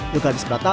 juga di sebelah atas